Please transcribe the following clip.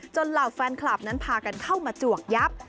เหล่าแฟนคลับนั้นพากันเข้ามาจวกยับ